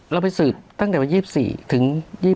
เราไปสืบตั้งแต่วัน๒๔ถึง๒๕๒๖๒๗๒๘